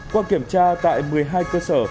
qua kiểm tra tại một mươi hai cơ sở